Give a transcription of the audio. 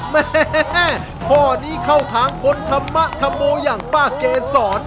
แม่ข้อนี้เข้าทางคนธรรมธรรโมอย่างป้าเกษร